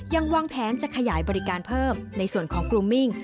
วางแผนจะขยายบริการเพิ่มในส่วนของกลุ่มมิ่ง